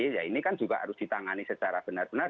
ya ini kan juga harus ditangani secara benar benar